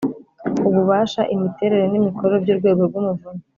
ububasha, imiterere n’imikorere by'urwego rw'umuvunyi,